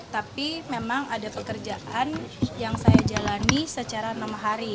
tapi memang ada pekerjaan yang saya jalani secara enam hari